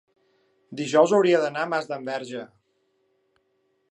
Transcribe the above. dijous hauria d'anar a Masdenverge.